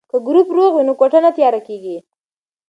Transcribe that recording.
که ګروپ روغ وي نو کوټه نه تیاره کیږي.